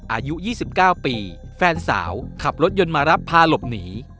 อายุ๒๙ปีแฟนสาวขับรถยนต์มารับพาหลบหนี